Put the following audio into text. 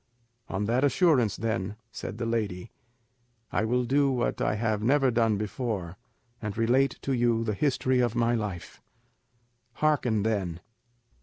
"On that assurance, then," said the lady, "I will do what I have never done before, and relate to you the history of my life. Hearken then.